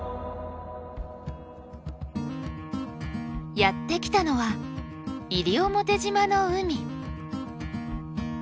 やって来たのは西表島の海。